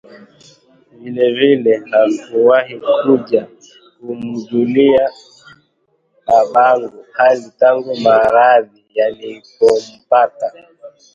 Vilevile, hakuwahi kuja kumjulia babangu hali tangu maradhi yalipompata